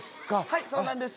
はいそうなんです。